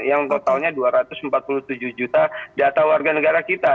yang totalnya dua ratus empat puluh tujuh juta data warga negara kita